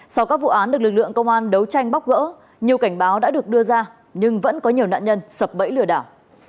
sau các vụ án được lực lượng công an đấu tranh bóc gỡ nhiều cảnh báo đã được đưa ra nhưng vẫn có nhiều nạn nhân sập bẫy lừa đảo